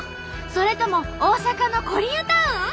それとも大阪のコリアタウン？